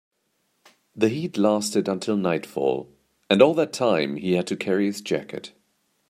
The heat lasted until nightfall, and all that time he had to carry his jacket.